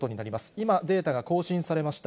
今、データが更新されました。